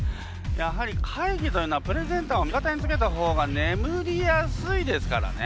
やはり会議というのはプレゼンターを味方につけた方が眠りやすいですからね。